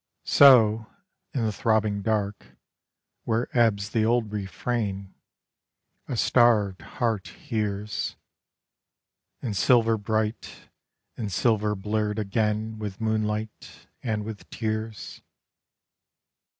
So, in the throbbing dark, where ebbs the old refrain, A starved heart hears. And silver bright, and silver blurred again With moonlight and with tears.